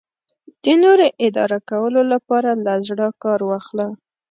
د نورو اداره کولو لپاره له زړه کار واخله.